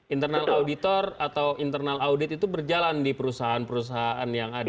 internal auditor atau internal audit itu berjalan di perusahaan perusahaan yang ada